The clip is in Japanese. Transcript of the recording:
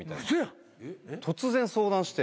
突然相談して。